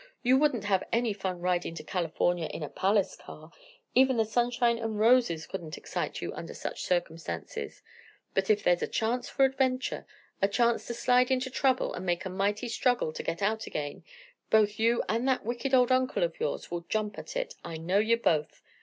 "You wouldn't have any fun riding to California in a palace car; even the sunshine and roses couldn't excite you under such circumstances; but if there's a chance for adventure a chance to slide into trouble and make a mighty struggle to get out again both you and that wicked old uncle of yours will jump at it. I know ye both.